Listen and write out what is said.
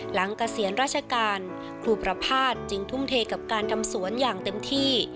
เกษียณราชการครูประพาทจึงทุ่มเทกับการทำสวนอย่างเต็มที่